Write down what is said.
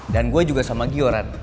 dan gue juga sama gio ran